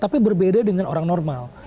tapi berbeda dengan orang normal